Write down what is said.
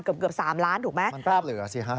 เกือบ๓ล้านถูกไหม